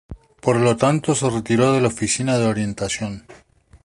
Por lo tanto, se retiró de la oficina de orientación.